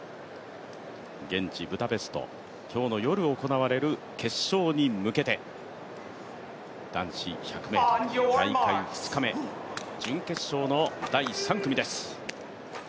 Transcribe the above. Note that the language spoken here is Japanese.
現地ブダペスト、今日の夜行われる決勝に向けて男子１００ｍ、大会２日目、準決勝の第３組です。